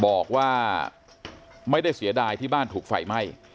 บอกว่าไม่ได้เสียดายที่บ้านถูกไฟไหม้